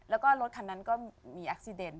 แล้วก็รถคันนั้นก็มีแอคซีเดน